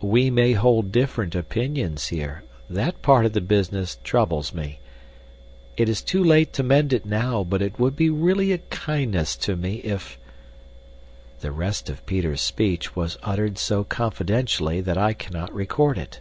"We may hold different opinions here. That part of the business troubles me. It is too late to mend it now, but it would be really a kindness to me if " The rest of Peter's speech was uttered so confidentially that I cannot record it.